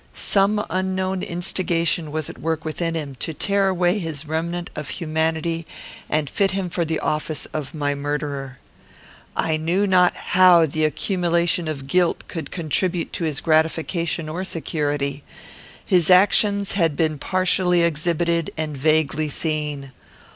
Some unknown instigation was at work within him, to tear away his remnant of humanity and fit him for the office of my murderer. I knew not how the accumulation of guilt could contribute to his gratification or security. His actions had been partially exhibited and vaguely seen.